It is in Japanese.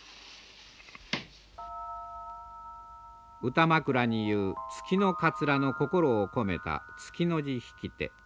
歌枕に言う「月の桂」の心を込めた月の字引手。